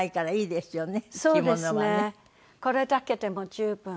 これだけでも十分。